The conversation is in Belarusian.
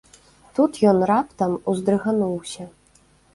Тут ён раптам уздрыгануўся.